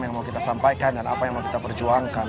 yang mau kita sampaikan dan apa yang mau kita perjuangkan